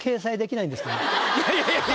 いやいやいやいや。